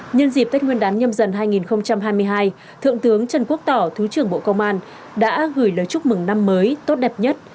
nhân dịp tết nguyên đán nhâm dần hai nghìn hai mươi hai thượng tướng trần quốc tỏ thứ trưởng bộ công an đã gửi lời chúc mừng năm mới tốt đẹp nhất